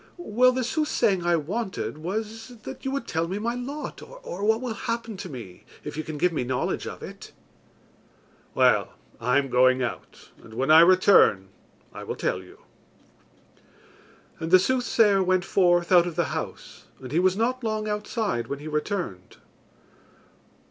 "Well, the soothsaying I wanted was that you would tell me my lot or what will happen to me, if you can give me knowledge of it." "Well, I am going out, and when I return, I will tell you." And the soothsayer went forth out of the house and he was not long outside when he returned.